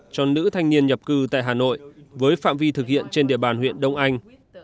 cho nữ thanh niên nhập cư tại hà nội với phạm vi thực hiện trên địa bàn huyện đông anh